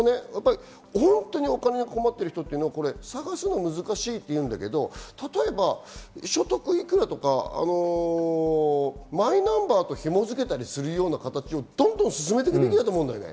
本当に困ってる人は探すのは難しいというけど、例えば、所得幾らとか、マイナンバーと紐づけたりするような形を進めていくべきだと思うんだよね。